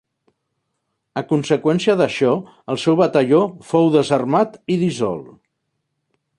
A conseqüència d'això el seu batalló fou desarmat i dissolt.